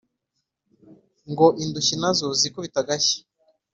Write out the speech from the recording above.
Ngo indushyi nazo zikubite agashyi